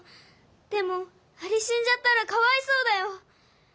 でもアリしんじゃったらかわいそうだよ。